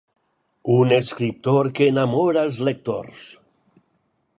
Un escriptor que enamora els lectors.